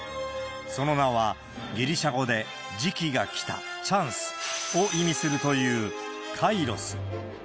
その名は、ギリシャ語で、時機が着た、チャンス！を意味するという、カイロス。